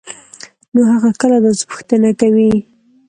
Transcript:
نو هغه کله داسې پوښتنه کوي؟؟